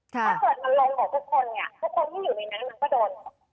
ถ้าเกิดมันลงกับทุกคนเนี่ยทุกคนที่อยู่ในนั้นมันก็โดน